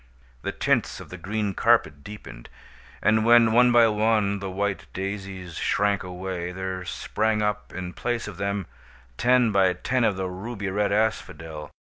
The tints of the green carpet deepened; and when, one by one, the white daisies shrank away, there sprang up in place of them, ten by ten of the ruby red asphodel.